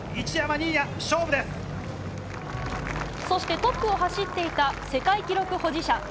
そしてトップを走っていた世界記録保持者